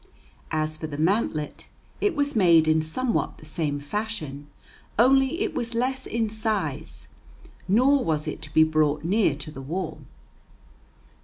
As for the mantlet, it was made in somewhat the same fashion, only it was less in size, nor was it to be brought near to the wall.